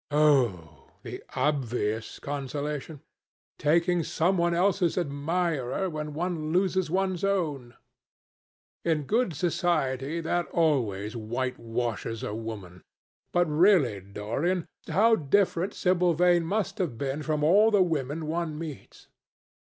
"Oh, the obvious consolation. Taking some one else's admirer when one loses one's own. In good society that always whitewashes a woman. But really, Dorian, how different Sibyl Vane must have been from all the women one meets!